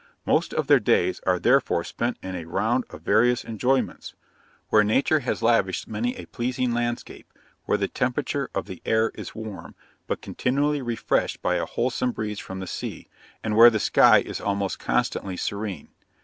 Most of their days are therefore spent in a round of various enjoyments, where Nature has lavished many a pleasing landscape; where the temperature of the air is warm, but continually refreshed by a wholesome breeze from the sea; and where the sky is almost constantly serene.